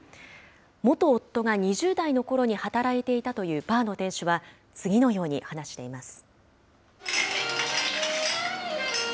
元夫が２０代のころに働いていたというバーの店主は、次のように話しています。